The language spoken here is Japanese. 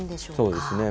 そうですね。